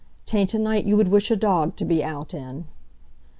'Tain't a night you would wish a dog to be out in."